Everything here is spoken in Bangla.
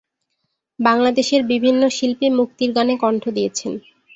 বাংলাদেশের বিভিন্ন শিল্পী মুক্তির গানে কণ্ঠ দিয়েছেন।